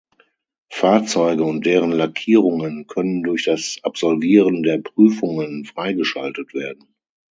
Fahrzeuge und deren Lackierungen können durch das Absolvieren der Prüfungen freigeschaltet werden.